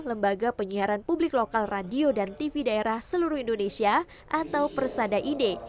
lembaga penyiaran publik lokal radio dan tv daerah seluruh indonesia atau persada ide